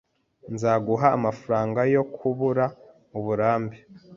Nzaguha amafaranga yo kubura uburambe.